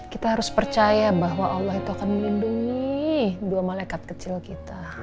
kita harus percaya bahwa allah itu akan melindungi dua malaikat kecil kita